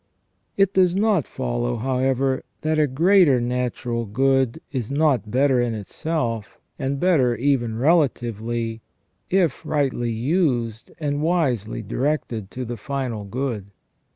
It does not follow, however, that a greater natural good is not better in itself, and better even relatively, if rightly used and wisely directed to the final good.